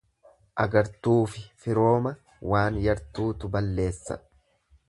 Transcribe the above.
Agartuufi firooma waan yartuutu balleessa.